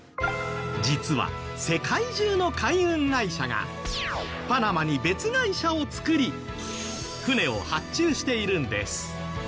実は世界中の海運会社がパナマに別会社を作り船を発注しているんです。